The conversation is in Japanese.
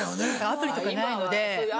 アプリとかないので。